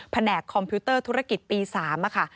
แหนกคอมพิวเตอร์ธุรกิจปี๓ค่ะ